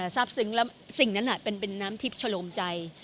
ทราบซึ้งแล้วสิ่งนั้นเป็นน้ำทิพย์ชะลมใจ